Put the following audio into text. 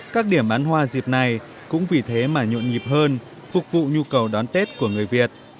các điểm bán hoa dịp này cũng vì thế mà nhộn nhịp hơn phục vụ nhu cầu đón tết của người việt